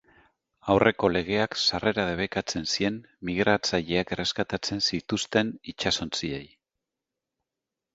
Aurreko legeak sarrera debekatzen zien migratzaileak erreskatatzen zituzten itsasontziei.